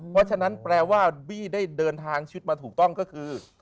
เพราะฉะนั้นแปลว่าบี้ได้เดินทางชุดมาถูกต้องก็คือ